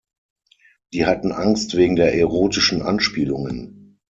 Die hatten Angst wegen der erotischen Anspielungen.